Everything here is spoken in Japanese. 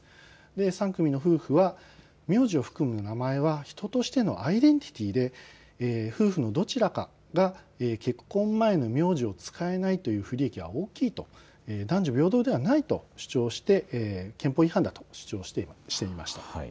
３組の夫婦は、名字を含む名前は人としてのアイデンティティーで夫婦のどちらかが結婚前の名字を使えないという不利益は大きいと、男女平等ではないと主張して憲法違反だと主張していました。